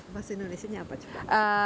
bahasa indonesia nya apa